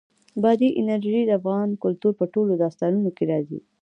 بادي انرژي د افغان کلتور په ټولو داستانونو کې راځي.